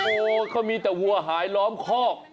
โอ้โหเขามีแต่วัวหายล้อมคอก